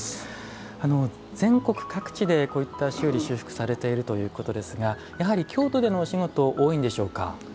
全国各地で、こういった修理・修復されているということですがやはり京都でのお仕事多いんでしょうか？